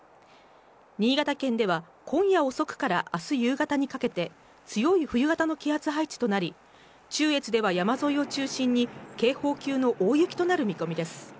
新潟県では今夜遅くから明日夕方にかけて強い冬型の気圧配置となり、中越では山沿いを中心に警報級の大雪となる見込みです。